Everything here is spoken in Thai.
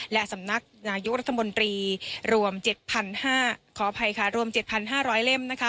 และสำนักนายุครัฐมนตรีรวม๗๕๐๐เล่ม